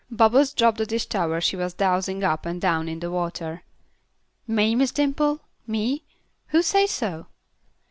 Bubbles dropped the dish towel she was dousing up and down in the water. "Me, Miss Dimple? Me? Who say so?"